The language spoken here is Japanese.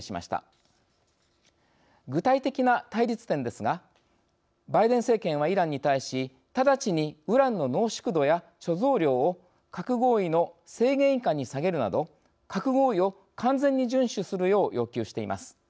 具体的な対立点ですがバイデン政権はイランに対し直ちにウランの濃縮度や貯蔵量を核合意の制限以下に下げるなど核合意を完全に順守するよう要求しています。